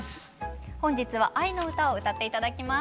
本日は「愛の詩」を歌って頂きます。